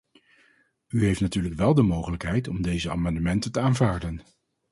U heeft natuurlijk wel de mogelijkheid om deze amendementen te aanvaarden.